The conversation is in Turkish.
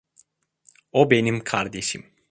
O benim kardeşim.